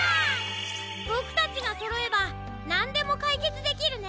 ボクたちがそろえばなんでもかいけつできるね！